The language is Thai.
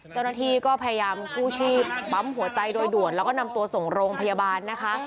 เจ้าหน้าที่ก็พยายามกู้ชีพปั๊มหัวใจโดยด่วนแล้วก็นำตัวส่งโรงพยาบาลนะคะ